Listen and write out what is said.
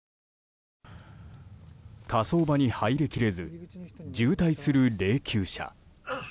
火葬場に入りきれず渋滞する霊柩車。